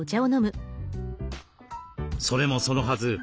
それもそのはず。